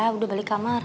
udah balik kamar